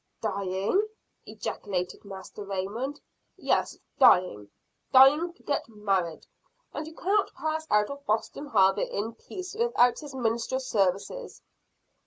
"Dying?" ejaculated Master Raymond. "Yes, dying! dying to get married and you cannot pass out of Boston harbor in peace, without his ministerial services."